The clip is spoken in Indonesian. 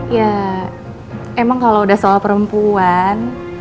ya emang kalau udah soal perempuan